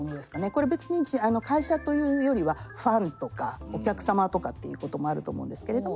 これ別に会社というよりはファンとかお客様とかっていうこともあると思うんですけれども。